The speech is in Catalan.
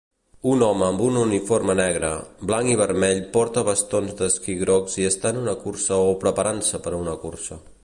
Un home amb un uniforme negre, blanc i vermell porta bastons d'esquí grocs i està en una cursa o preparant-se per a una cursa